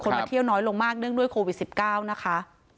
มาเที่ยวน้อยลงมากเนื่องด้วยโควิด๑๙นะคะ